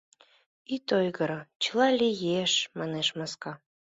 — Ит ойгыро, чыла лиеш, — манеш маска.